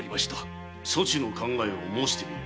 そちの考えを申してみよ。